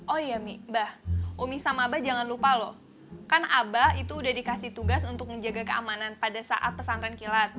oh iya mbak umi sama abah jangan lupa loh kan abah itu udah dikasih tugas untuk menjaga keamanan pada saat pesantren kilat